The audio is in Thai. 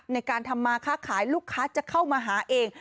ในการทำมาค้าขายลูกค้าจะเข้ามาหาเอง